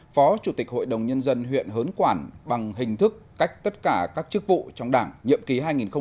phó chủ tịch hội đồng nhân dân huyện hớn quản bằng hình thức cách tất cả các chức vụ trong đảng nhiệm ký hai nghìn một mươi sáu hai nghìn hai mươi một